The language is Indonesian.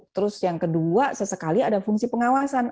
terus yang kedua sesekali ada fungsi pengawasan